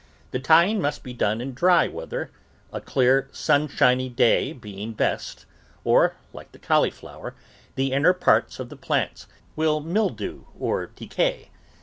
The tying must be done in dry weather, a clear, sunshiny day being best, or, like the cauliflower, the inner part of the plants will mildew or decay.